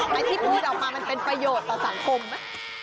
ไอ้ที่พูดออกมามันเป็นประโยชน์ต่อสังคมไหม